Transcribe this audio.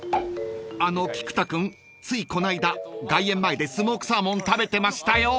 ［あの菊田君ついこの間外苑前でスモークサーモン食べてましたよ］